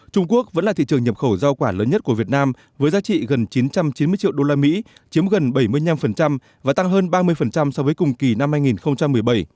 trung quốc vẫn là thị trường nhập khẩu giao quả lớn nhất của việt nam với giá trị gần chín trăm chín mươi triệu usd chiếm gần bảy mươi năm và tăng hơn ba mươi so với cùng kỳ năm hai nghìn một mươi bảy